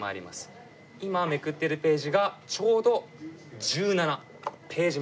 今めくっているページがちょうど１７ページ目です。